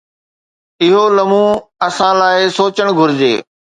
اهو لمحو اسان لاءِ سوچڻ گهرجي.